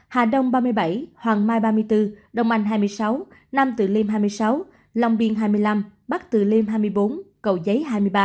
hà đông ba mươi bảy hoàng mai ba mươi bốn đồng anh hai mươi sáu nam tự liêm hai mươi sáu lòng biên hai mươi năm bắc tự liêm hai mươi bốn cầu giấy hai mươi ba